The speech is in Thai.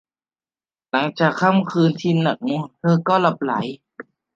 หลังจากค่ำคืนที่หนักหน่วง เธอก็หลับใหล